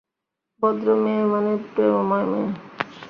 ভদ্র মেয়ে মানে প্রেমময় মেয়ে।